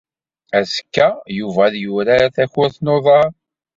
Azekka, Yuba ad yurar takurt n uḍar.